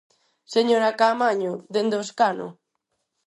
Señora Caamaño, dende o escano.